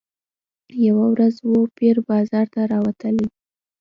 یوه ورځ وو پیر بازار ته راوتلی